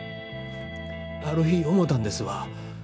ある日思たんですわ。